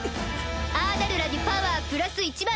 アーダルラにパワープラス１００００！